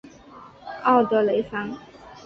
奥德雷桑。